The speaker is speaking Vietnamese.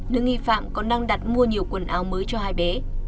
nữ nghi phạm còn đang đặt mua nhiều quần áo mới cho hai bé